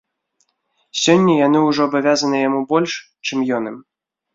Сёння яны ўжо абавязаныя яму больш, чым ён ім.